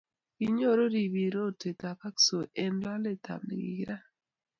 kinyoru ribiik rotwetab hakso eng loletab nekikirat